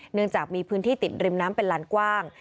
เนื่องจากมีพื้นที่ติดริมน้ำเป็นลานกว้าง